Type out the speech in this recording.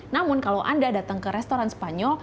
namun kalau anda datang ke restoran spanyol